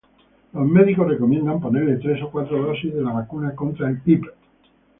Los médicos recomiendan ponerles tres o cuatro dosis de la vacuna contra el Hib